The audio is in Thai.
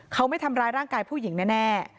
เขาไม่ทำร้ายร่างกายผู้หญิงแน่